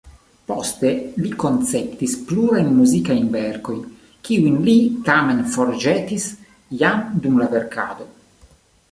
Poste li konceptis plurajn muzikajn verkojn, kiujn li tamen forĵetis jam dum la verkado.